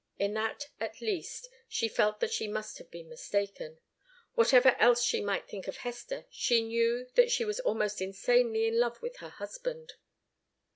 In that at least she felt that she must have been mistaken. Whatever else she might think of Hester, she knew that she was almost insanely in love with her husband.